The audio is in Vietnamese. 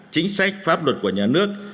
chính sách pháp luật của nhà nước